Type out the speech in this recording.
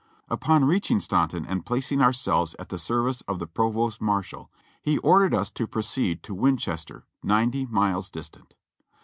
On reaching Staunton and placing ourselves at the service of the provost marshal, he ordered us to proceed to Winchester, ninety miles distant.